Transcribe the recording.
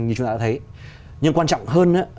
như chúng ta đã thấy nhưng quan trọng hơn